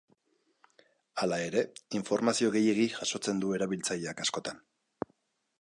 Hala ere, informazio gehiegi jasotzen du erabiltzaileak askotan.